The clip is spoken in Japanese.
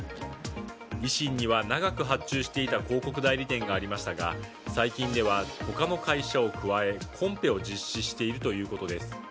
維新には長く発注していた広告代理店がありましたが最近では他の会社を加えコンペを実施しているということです。